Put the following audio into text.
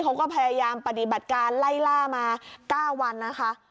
เขาก็พยายามปฏิบัติการไล่ล่ามา๙วันนะคะ